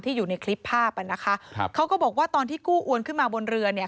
อยู่ในคลิปภาพอ่ะนะคะครับเขาก็บอกว่าตอนที่กู้อวนขึ้นมาบนเรือเนี่ย